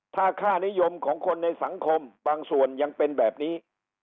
ถ้าค่านิยมของคนในสังคมบางส่วนยังเป็นแบบนี้